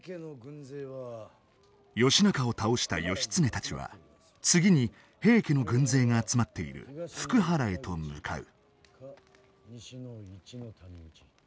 義仲を倒した義経たちは次に平家の軍勢が集まっている福原へと向かう。